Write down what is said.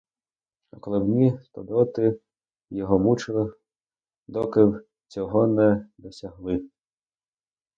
А коли б ні, то доти б його мучили, доки б цього не досягли.